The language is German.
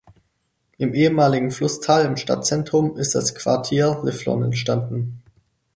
Im ehemaligen Flusstal im Stadtzentrum ist das Quartier "Le Flon" entstanden.